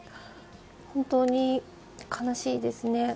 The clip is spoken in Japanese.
本当に悲しいですね。